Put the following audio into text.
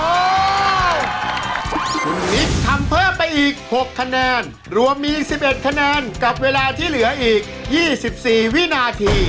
คุณนิดทำเพิ่มไปอีก๖คะแนนรวมมี๑๑คะแนนกับเวลาที่เหลืออีก๒๔วินาที